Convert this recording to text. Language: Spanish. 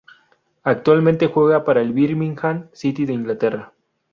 Actualmente juega para el Birmingham City de Inglaterra.